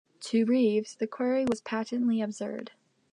To Reeves, the query was patently absurd.